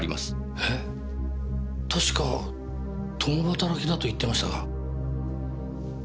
え確か共働きだと言ってましたが。